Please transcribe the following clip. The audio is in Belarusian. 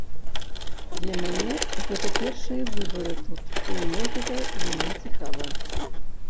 Для мяне гэта першыя выбары тут, і мне гэта вельмі цікава.